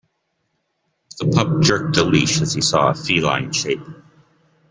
The pup jerked the leash as he saw a feline shape.